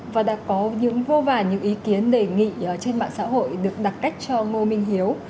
và đã có những vô vàn những ý kiến đề nghị trên mạng xã hội được đặt cách cho ngô minh hiếu